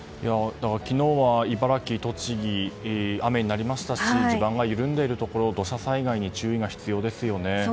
昨日は茨城、栃木で雨になりましたし地盤が緩んでいるところ土砂災害に注意が必要ですよね。